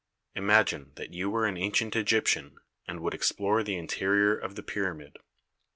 Imagine that you were an ancient Egyptian and would explore the interior of the pyramid.